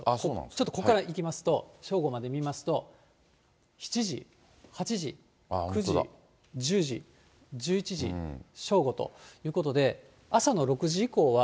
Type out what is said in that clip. ちょっとここからいきますと、正午まで見ますと、７時、８時、９時、１０時、１１時、正午ということで、朝の６時以降は。